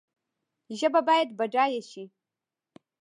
ژبه باید بډایه شي